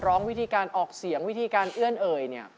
ร้องวิธีการออกเสียงวิธีการเอื้อนเอ่ยเนี่ย